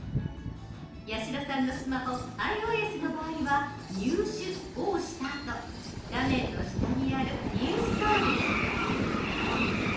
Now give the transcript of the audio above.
八代さんのスマホｉＯＳの場合は「入手」を押したあと画面の下にある「インストール」です。